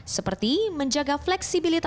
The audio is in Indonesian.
seperti menjaga fleksibilitas